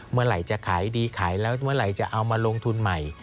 เมื่อไหร่จะขายดีขายแล้วเมื่อไหร่จะเอามาลงทุนใหม่